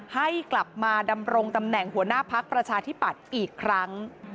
ให้กลับมาดำรงตำแหน่งหัวหน้าพักประชาธิปัตย์อีกครั้ง